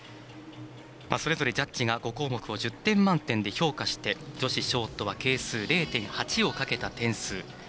それぞれジャッジが５項目を１０点満点で評価して、女子ショートは係数０．８をかけた点数。